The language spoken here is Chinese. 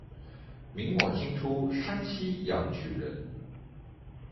明末清初山西阳曲人。